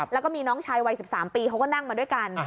แล้วก็มีน้องชายวัย๑๓ปีเขาก็นั่งมาด้วยกัน